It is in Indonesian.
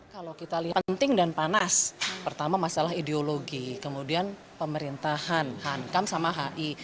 kalau kita lihat penting dan panas pertama masalah ideologi kemudian pemerintahan hankam sama hi